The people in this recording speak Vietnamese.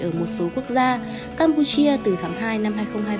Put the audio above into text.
ở một số quốc gia campuchia từ tháng hai năm hai nghìn hai mươi